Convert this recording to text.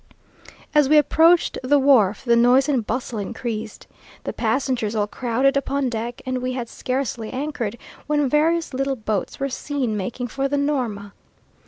As we approached the wharf the noise and bustle increased. The passengers all crowded upon deck, and we had scarcely anchored, when various little boats were seen making for the Norma.